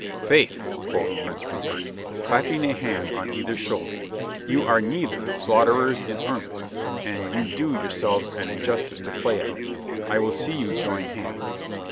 "Faith," quoth Prince Rupert, clapping a hand on either shoulder, "you are neither slaughterers in earnest, and you do yourselves an injustice to play at it. I will see you join hands."